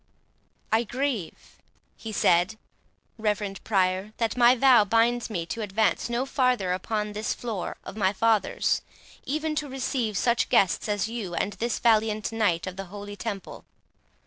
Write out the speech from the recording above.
"I grieve," he said, "reverend Prior, that my vow binds me to advance no farther upon this floor of my fathers, even to receive such guests as you, and this valiant Knight of the Holy Temple.